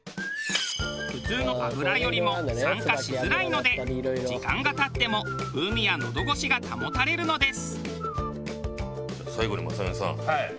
普通のごま油よりも酸化しづらいので時間が経っても風味や喉越しが保たれるのです。